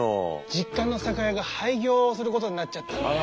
実家の酒屋が廃業することになっちゃったんだよ。